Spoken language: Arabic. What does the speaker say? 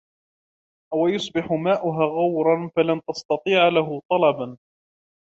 أو يصبح ماؤها غورا فلن تستطيع له طلبا